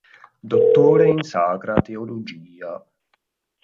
Dottore in Sacra Teologia.